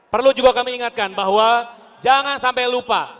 perlu juga kami ingatkan bahwa jangan sampai lupa